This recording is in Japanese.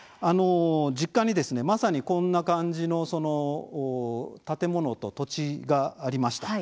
実家にまさにこんな感じの建物と土地がありました。